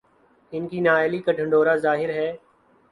ان کی نااہلی کا ڈھنڈورا ظاہر ہے۔